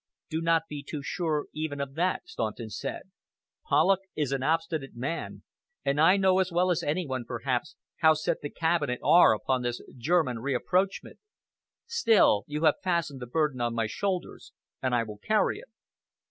"Do not be too sure even of that," Staunton said. "Polloch is an obstinate man, and I know as well as any one, perhaps, how set the Cabinet are upon this German rapprochement. Still you have fastened the burden on my shoulders, and I will carry it."